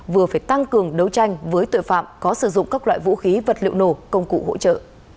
vừa phải tăng cường đấu tranh với tội phạm có sử dụng các loại vũ khí vật liệu nổ công cụ hỗ trợ